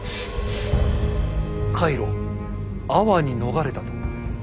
海路安房に逃れたと。